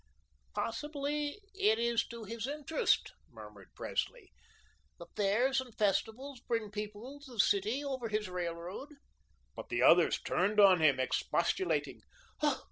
"Possibly it is to his interest," murmured Presley. "The fairs and festivals bring people to the city over his railroad." But the others turned on him, expostulating.